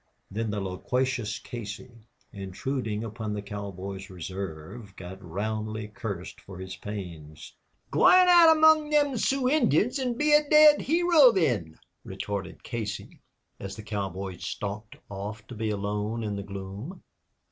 Then the loquacious Casey, intruding upon the cowboy's reserve, got roundly cursed for his pains. "G'wan out among thim Sooz Injuns an' be a dead hero, thin," retorted Casey, as the cowboy stalked off to be alone in the gloom.